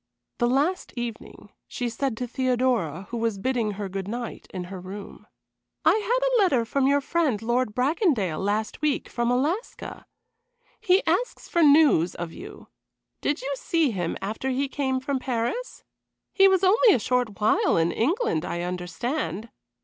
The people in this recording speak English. The last evening she said to Theodora, who was bidding her good night in her room: "I had a letter from your friend Lord Bracondale last week, from Alaska. He asks for news of you. Did you see him after he came from Paris? He was only a short while in England, I understand."